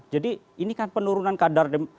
jadi ini kan penurunan kadar